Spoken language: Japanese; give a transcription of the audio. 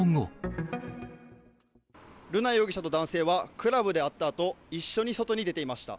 瑠奈容疑者と男性は、クラブで会ったあと、一緒に外に出ていました。